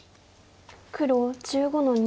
黒１５の二。